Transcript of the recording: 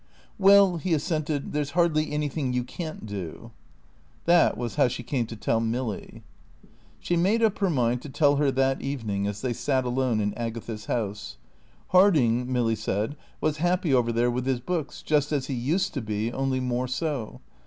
"Well," he assented, "there's hardly anything you can't do." That was how she came to tell Milly. She made up her mind to tell her that evening as they sat alone in Agatha's house. Harding, Milly said, was happy over there with his books; just as he used to be, only more so.